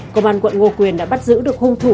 công an quận ngô quyền đã bắt giữ được hung thủ